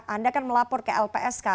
anda kan melapor ke lps kak